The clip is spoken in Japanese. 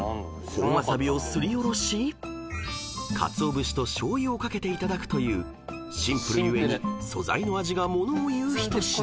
本わさびをすりおろしかつお節としょうゆを掛けて頂くというシンプル故に素材の味がものをいう一品］